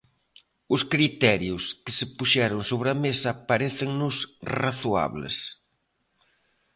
Os criterios que se puxeron sobre a mesa parécennos razoables.